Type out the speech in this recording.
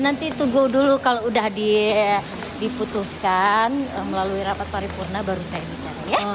nanti tunggu dulu kalau udah diputuskan melalui rapat paripurna baru saya bicara